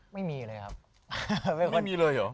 ไม่มีเลยครับ